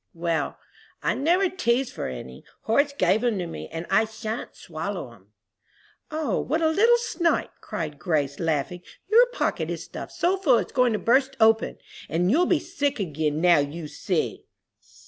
"Well, I never teased for any. Horace gave 'em to me, and I shan't swallow 'em." "O, what a little snipe," cried Grace, laughing, "your pocket is stuffed so full it's going to burst open, and you'll be sick again, now you see!"